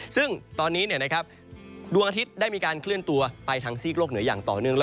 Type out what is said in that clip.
ซึ่งตอนนี้ดวงอาทิตย์ได้มีการเคลื่อนตัวไปทางซีกโลกเหนืออย่างต่อเนื่อง